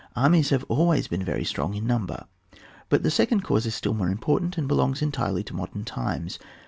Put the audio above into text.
armies have always been very strong in number. But the second cause is still more important, and belongs entirely to modem times.